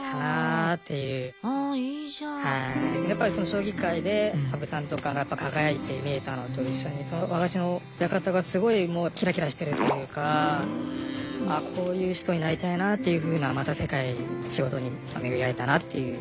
将棋界で羽生さんとかがやっぱ輝いて見えたのと一緒でその和菓子の親方がすごいもうキラキラしてるというか「こういう人になりたいな」っていうふうなまた世界仕事に巡り会えたなっていう。